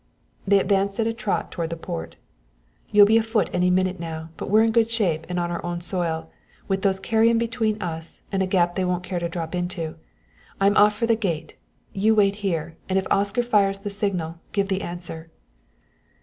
They advanced at a trot toward the Port. "You'll be afoot any minute now, but we're in good shape and on our own soil, with those carrion between us and a gap they won't care to drop into! I'm off for the gate you wait here, and if Oscar fires the signal, give the answer."